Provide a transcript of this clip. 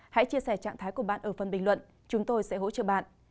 hãy chia sẻ trạng thái của bạn ở phần bình luận chúng tôi sẽ hỗ trợ bạn